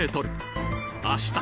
明日